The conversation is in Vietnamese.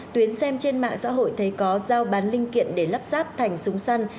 tuyến xem trên mạng xã hội thấy có giao bán linh kiện để lắp ráp thành súng săn